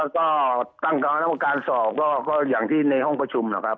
ก็ตั้งคณะกรรมการสอบก็อย่างที่ในห้องประชุมนะครับ